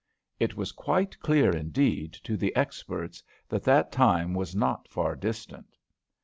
It was quite clear, indeed, to the experts that that time was not far distant.